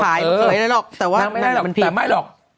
แต่ไม่ได้หรอกแต่ไม่หรอก